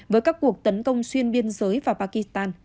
với các cuộc tấn công xuyên biên giới vào pakistan